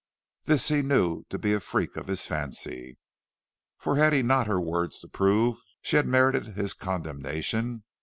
This he knew to be a freak of his fancy, for had he not her words to prove she had merited his condemnation?